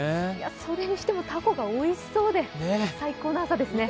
それにしてもたこがおいしそうで最高の朝ですね。